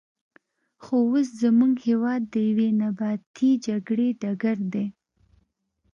خو اوس زموږ هېواد د یوې نیابتي جګړې ډګر دی.